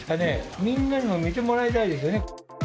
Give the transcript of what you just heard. みんなにも見てもらいたいですね。